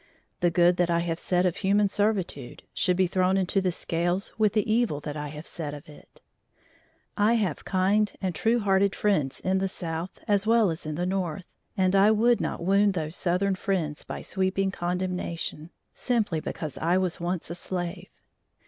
The good that I have said of human servitude should be thrown into the scales with the evil that I have said of it. I have kind, true hearted friends in the South as well as in the North, and I would not wound those Southern friends by sweeping condemnation, simply because I was once a slave.